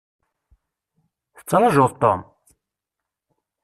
Tettrajuḍ Tom?